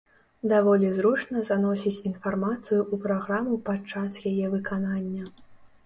Даволі зручна заносіць інфармацыю ў праграму падчас яе выканання.